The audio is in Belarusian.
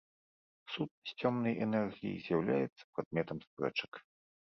Сутнасць цёмнай энергіі з'яўляецца прадметам спрэчак.